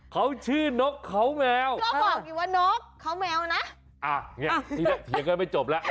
เขาชื่อนกเขาแมวก็บอกอยู่ว่านกเขาแมวนะอ่ะนี่แหละเดี๋ยวก็ไม่จบแล้ว